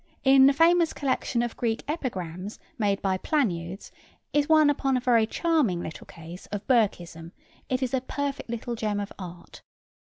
In the famous collection of Greek epigrams made by Planudes is one upon a very charming little case of Burkism: it is a perfect little gem of art.